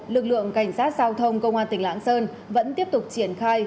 lực lượng cảnh sát giao thông công an tỉnh lạng sơn vẫn tiếp tục triển khai